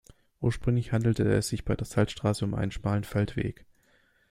Ursprünglich handelte es sich bei der Salzstraße um einen schmalen Feldweg.